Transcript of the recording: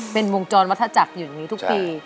เป็นวงจรวัฒจักรอยู่อย่างนี้ทุกปี